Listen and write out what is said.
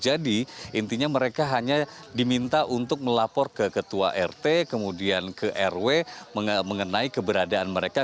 jadi intinya mereka hanya diminta untuk melapor ke ketua rt kemudian ke rw mengenai keberadaan mereka